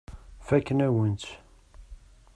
Fakken-awen-tt.